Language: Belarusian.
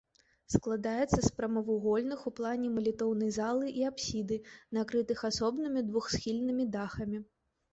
Складаецца з прамавугольных у плане малітоўнай залы і апсіды, накрытых асобнымі двухсхільнымі дахамі.